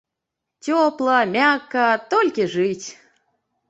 Цёпла, мякка, толькі жыць!